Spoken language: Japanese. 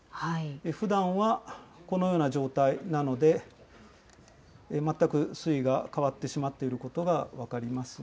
ふだんはこのような状態なので、全く水位が変わってしまっていることが分かります。